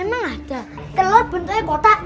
emang ada telur buntai kotak